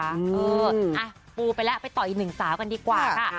เอออ่ะปูไปแล้วไปต่ออีกหนึ่งสาวกันดีกว่าค่ะ